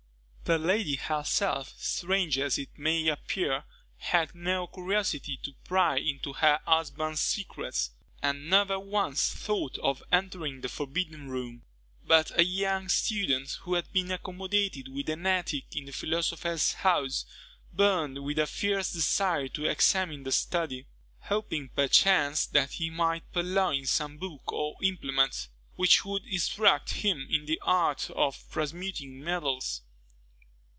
The lady herself, strange as it may appear, had no curiosity to pry into her husband's secrets, and never once thought of entering the forbidden room; but a young student, who had been accommodated with an attic in the philosopher's house, burned with a fierce desire to examine the study; hoping, perchance, that he might purloin some book or implement which would instruct him in the art of transmuting metals.